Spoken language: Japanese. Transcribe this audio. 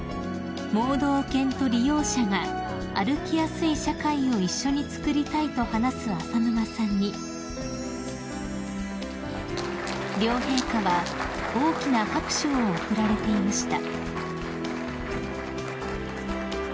［「盲導犬と利用者が歩きやすい社会を一緒につくりたい」と話す浅沼さんに両陛下は大きな拍手を送られていました］